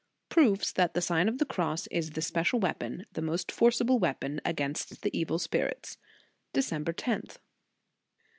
PROOFS THAT THE SlGH OF THE CROSS IS THE SPECIAL WEAPON, THE MOST FORCIBLE WEAPON AGAIKST THE EVIL SPIRITS. December 10th.